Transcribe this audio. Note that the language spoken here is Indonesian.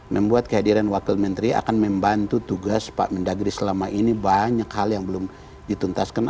membuat kehadiran wakil menteri akan membantu tugas pak mendagri selama ini banyak hal yang belum dituntaskan